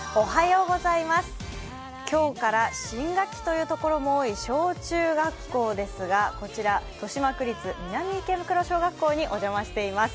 今日から新学期というところも多い小中学校ですがこちら、豊島区立南池袋小学校にお邪魔しています。